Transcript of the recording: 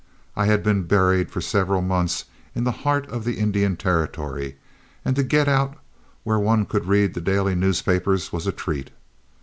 I had been buried for several months in the heart of the Indian Territory, and to get out where one could read the daily papers was a treat.